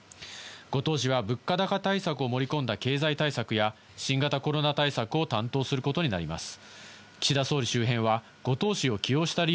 後藤氏は物価高対策を盛り込んだ経済対策や新型コロナ対策を担当することになります。